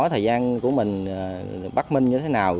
thời gian của mình bắt minh như thế nào